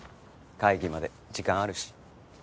会議まで時間あるし。